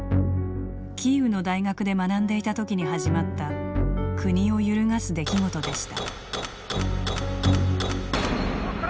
キーウの大学で学んでいたときに始まった国を揺るがす出来事でした。